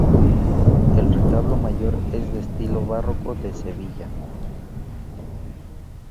El retablo mayor es de estilo barroco de Sevilla.